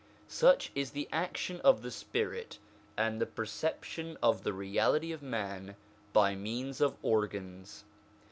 Such is the action of the spirit, and the perception of the reality of man, by means of organs.